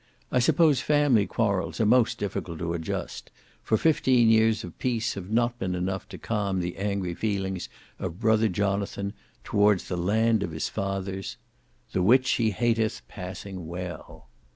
I suppose family quarrels are most difficult to adjust; for fifteen years of peace have not been enough to calm the angry feelings of brother Jonathan towards the land of his fathers, "The which he hateth passing well."